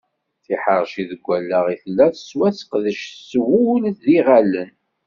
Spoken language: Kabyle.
Tiḥerci deg wallaɣ i tella, tettwaseqdec s wul d yiɣallen.